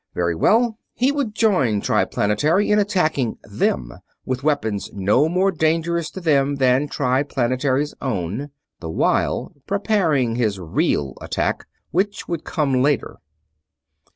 Very well, he would join Triplanetary in attacking them with weapons no more dangerous to them than Triplanetary's own the while preparing his real attack, which would come later.